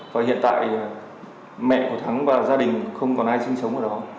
và hiện tại mẹ của thắng và gia đình không còn ai sinh sống ở đó